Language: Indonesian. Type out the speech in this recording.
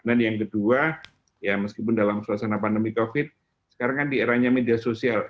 dan yang kedua ya meskipun dalam suasana pandemi covid sekarang kan di eranya media sosial